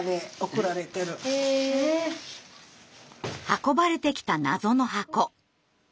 運ばれてきた謎の箱。